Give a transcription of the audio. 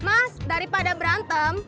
mas daripada berantem